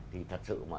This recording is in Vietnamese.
thì thật sự